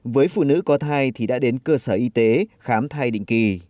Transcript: với phụ nữ có thai thì đã đến cơ sở y tế khám thai định kỳ